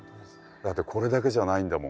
だってこれだけじゃないんだもん。